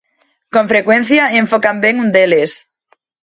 Con frecuencia, enfocan ben un deles.